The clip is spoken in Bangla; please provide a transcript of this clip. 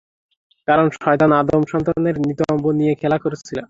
কারণ, শয়তান আদম সন্তানের নিতম্ব নিয়ে খেলা করে।